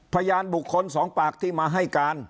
พยานบุคคลสองปากที่มาให้การ